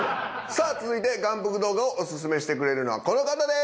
さぁ続いて眼福動画をオススメしてくれるのはこの方です。